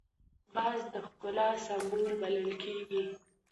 باز د ښکار سمبول بلل کېږي